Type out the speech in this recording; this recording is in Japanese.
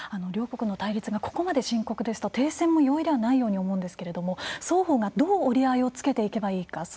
両国の対立がここまで深刻ですと停戦も容易ではないように思うんですけれども双方が、どう折り合いをつけていけばいいか。